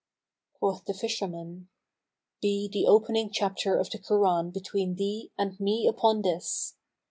Quoth the fisherman, "Be the Opening Chapter of the Koran between thee and me upon this!"